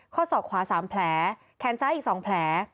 ศอกขวา๓แผลแขนซ้ายอีก๒แผล